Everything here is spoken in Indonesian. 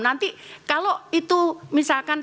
nanti kalau itu misalkan